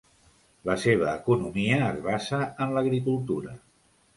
La seva economia es basa en l'agricultura.